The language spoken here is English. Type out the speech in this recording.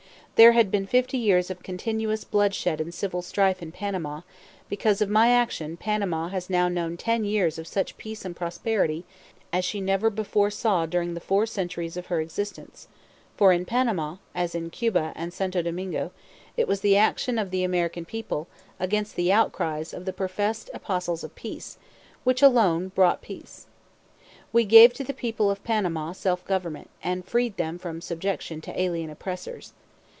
There had been fifty years of continuous bloodshed and civil strife in Panama; because of my action Panama has now known ten years of such peace and prosperity as she never before saw during the four centuries of her existence for in Panama, as in Cuba and Santo Domingo, it was the action of the American people, against the outcries of the professed apostles of peace, which alone brought peace. We gave to the people of Panama self government, and freed them from subjection to alien oppressors.